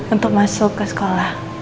untuk masuk ke sekolah